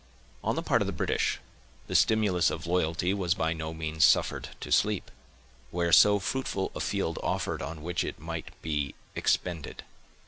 On the part of the British, the stimulus of loyalty was by no means suffered to sleep, where so fruitful a field offered on which it might be expended.